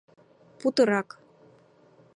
Путырак